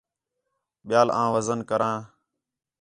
ٻِیال آں وزن کراں